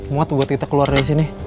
muat buat kita keluar dari sini